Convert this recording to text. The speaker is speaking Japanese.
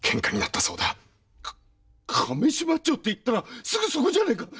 か亀島町っていったらすぐそこじゃねえか。